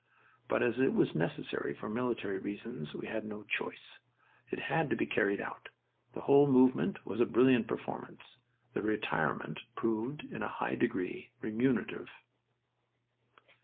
But as it was necessary for military reasons we had no choice. It had to be carried out... The whole movement was a brilliant performance... The retirement proved in a high degree remunerative."